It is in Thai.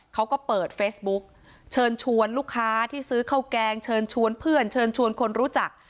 เขาก็เปิดเฟซบุ๊กเชิญชวนลูกค้าที่ซื้อข้าวแกงเชิญชวนเพื่อนเชิญชวนคนรู้จัก